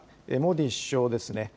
モディ首相ですね。